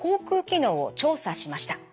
機能を調査しました。